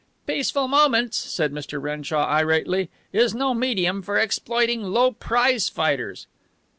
"Peaceful Moments," said Mr. Renshaw irately, "is no medium for exploiting low prize fighters."